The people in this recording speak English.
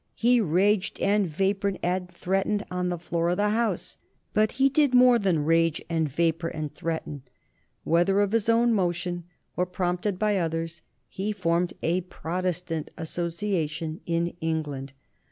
He raged and vapored and threatened on the floor of the House. But he did more than rage and vapor and threaten. Whether of his own motion, or prompted by others, he formed a "Protestant Association" in England.